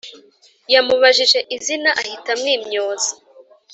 yamubajije izina ahita amwimyoza